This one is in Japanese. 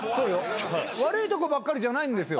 悪いとこばっかりじゃないんですよ。